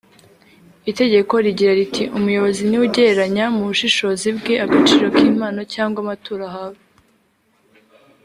Itegeko rigira riti “Umuyobozi ni we ugereranya mu bushishozi bwe agaciro k’impano cyangwa amaturo ahawe